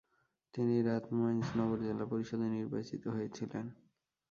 তিনি র্যাথমাইন্স নগর জেলা পরিষদে নির্বাচিত হয়েছিলেন।